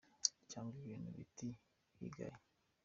Cyangwa ibindi biti bigaye.